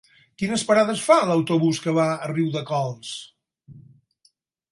Quines parades fa l'autobús que va a Riudecols?